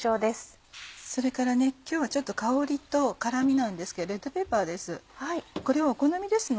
それから今日は香りと辛みなんですけどレッドペッパーです